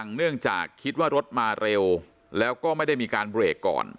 เนื่องจากคิดว่ารถมาเร็วแล้วก็ไม่ได้มีการเบรกก่อน